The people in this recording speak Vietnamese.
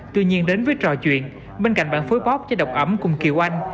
tuy nhiên đến với trò chuyện bên cạnh bản phối pop với độc ẩm cùng kiều anh